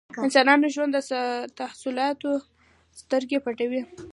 انسانانو ژوند تحولاتو سترګې پټوي.